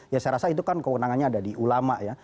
ya saya rasa itu kan kewenangannya ada di ulama ya